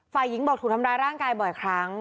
ฝ่ายหญิงบอกถูกทำร้ายร่างกายบ่อยครั้ง